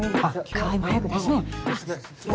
川合も早く出しなよ！